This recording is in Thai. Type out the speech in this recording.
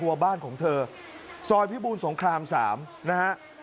วัวบ้านของเธอซอยพิบูรสงคราม๓นะฮะ